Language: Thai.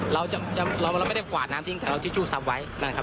เราจะเราไม่ได้กวาดน้ำที่อีกแต่เราทิชชูซับไว้นั่นครับ